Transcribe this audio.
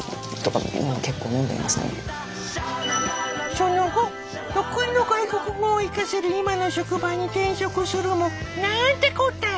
その後得意の外国語を生かせる今の職場に転職するも「なんてこったい！